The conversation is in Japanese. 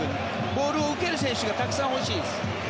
ボールを受ける選手がたくさん欲しい。